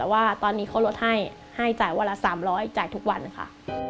ว่าตอนนี้เขาลดให้ให้จ่ายวันละ๓๐๐จ่ายทุกวันค่ะ